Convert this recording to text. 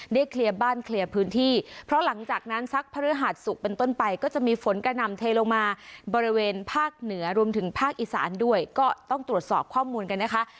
เคลียร์บ้านเคลียร์พื้นที่เพราะหลังจากนั้นสักพฤหัสศุกร์เป็นต้นไปก็จะมีฝนกระหน่ำเทลงมาบริเวณภาคเหนือรวมถึงภาคอีสานด้วยก็ต้องตรวจสอบข้อมูลกันนะคะ